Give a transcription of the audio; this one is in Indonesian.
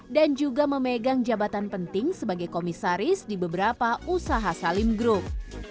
dan juga memegang jabatan penting sebagai komisaris di beberapa usaha salim grup